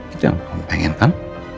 itu yang kamu pengen kan